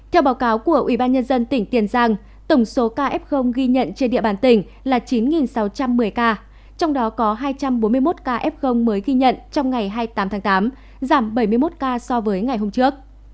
theo báo cáo của ubnd tỉnh tiền giang tổng số ca f ghi nhận trên địa bàn tỉnh là chín sáu trăm một mươi ca trong đó có hai trăm bốn mươi một ca f mới ghi nhận trong ngày hai mươi tám tháng tám giảm bảy mươi một ca so với ngày hôm trước